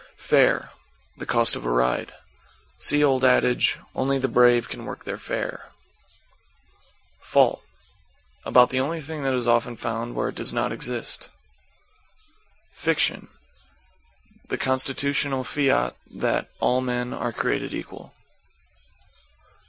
=FARE.= The cost of a ride. See old adage, "Only the brave can work their fare." =FAULT= About the only thing that is often found where it does not exist. =FICTION.= The Constitutional fiat that "all men are created equal."